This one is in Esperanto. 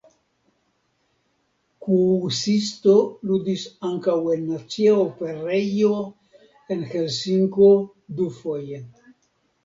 Kuusisto ludis ankaŭ en nacia operejo en Helsinko dufoje.